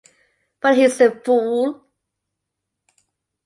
But he's a fool.